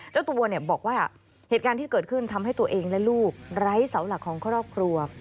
เจ้าตัวบอกว่าเหตุการณ์ที่เกิดขึ้นทำให้ตัวเองและลูกไร้เสาหลักของครอบครัว